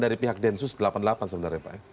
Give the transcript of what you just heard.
dari pihak densus delapan puluh delapan sebenarnya pak